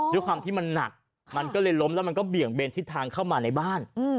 ด้วยความที่มันหนักมันก็เลยล้มแล้วมันก็เบี่ยงเบนทิศทางเข้ามาในบ้าน